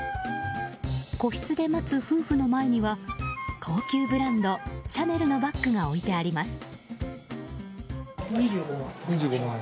個室で待つ夫婦の前には高級ブランドシャネルのバッグが置いてあります。